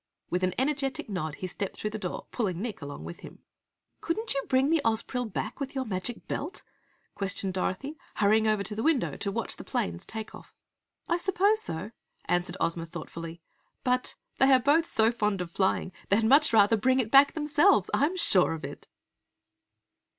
With an energetic nod he stepped through the door, pulling Nick along with him. "Couldn't you bring the Ozpril back with your magic belt?" questioned Dorothy, hurrying over to the window to watch the plane's take off. "I suppose so," answered Ozma, thoughtfully. "But they both are so fond of flying, they'd much rather bring it back, themselves! I'm sure of it!"